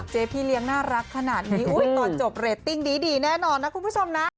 พี่เลี้ยงน่ารักขนาดนี้ตอนจบเรตติ้งดีแน่นอนนะคุณผู้ชมนะ